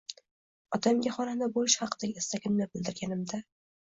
Otamga xonanda bo’lish haqidagi istagimni bildirganimda